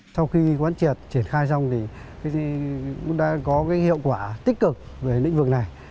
sau khi quán triệt triển khai xong thì cũng đã có hiệu quả tích cực về lĩnh vực này